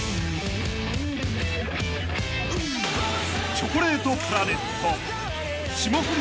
［チョコレートプラネット霜降り